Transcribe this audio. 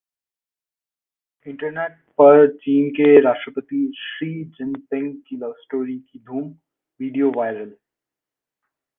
internet पर चीन के राष्ट्रपति शी जिनपिंग की लवस्टोरी की धूम, वीडियो वायरल